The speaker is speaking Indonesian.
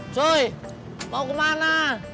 cuy mau kemana